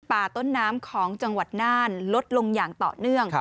ต้นน้ำของจังหวัดน่านลดลงอย่างต่อเนื่อง